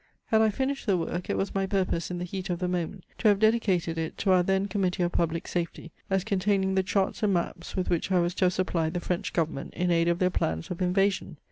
Had I finished the work, it was my purpose in the heat of the moment to have dedicated it to our then committee of public safety as containing the charts and maps, with which I was to have supplied the French Government in aid of their plans of invasion.